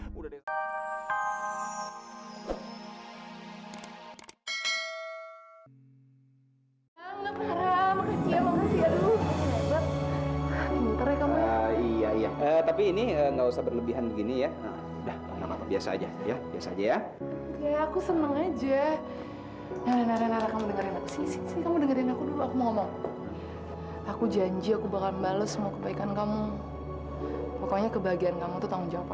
pokoknya kebahagiaan kamu tuh tanggung jawab aku